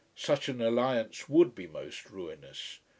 Such an alliance would be most ruinous!